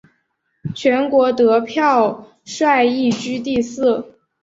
全国得票率亦居第四。